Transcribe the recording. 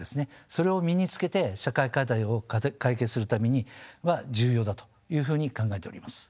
それを身につけて社会課題を解決するためには重要だというふうに考えております。